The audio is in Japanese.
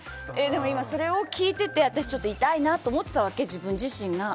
でも今、それを聞いていて私ちょっと痛いなって思ってたわけ、自分自身が。